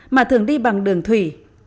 mà thường đi bằng đường thủy